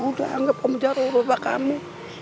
udah anggap om jarwo rupa kami